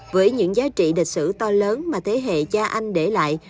với những giá trị địch sử to lớn mà thế hệ cha anh để lại